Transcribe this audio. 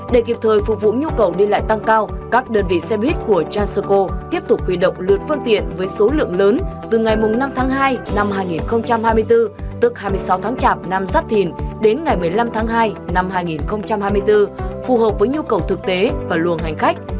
để kịp thời phục vụ nhu cầu đi lại tăng cao các đơn vị xe buýt của trassoco tiếp tục huy động lượt phương tiện với số lượng lớn từ ngày năm tháng hai năm hai nghìn hai mươi bốn tức hai mươi sáu tháng chạp năm giáp thìn đến ngày một mươi năm tháng hai năm hai nghìn hai mươi bốn phù hợp với nhu cầu thực tế và luồng hành khách